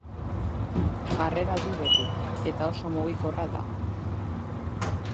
Jarrera du beti, eta oso mugikorra da.